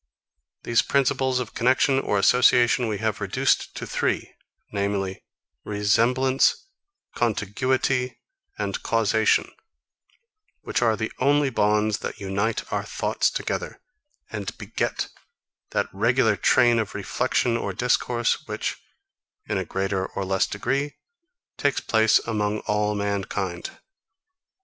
These principles of connexion or association we have reduced to three, namely, Resemblance, Contiguity and Causation; which are the only bonds that unite our thoughts together, and beget that regular train of reflection or discourse, which, in a greater or less degree, takes place among all mankind.